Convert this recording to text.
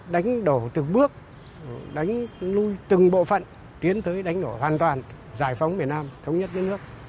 đánh đổ từng bước đánh lui từng bộ phận tiến tới đánh đổ hoàn toàn giải phóng miền nam thống nhất với nước